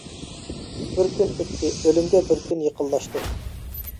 بىر كۈن ئۆتتى، ئۆلۈمگە بىر كۈن يېقىنلاشتۇق.